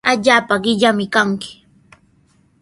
Allaapa qillami kanki.